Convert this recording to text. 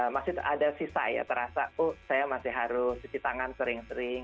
masih ada sisa ya terasa saya masih harus cuci tangan sering sering